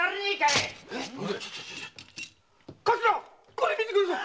これ見てください。